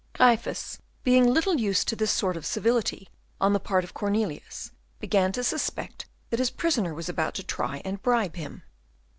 Gryphus, being little used to this sort of civility on the part of Cornelius, began to suspect that his prisoner was about to try and bribe him.